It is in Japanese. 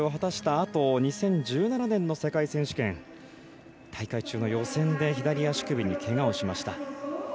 あと２０１７年の世界選手権、大会中の予選で左足首にけがをしました。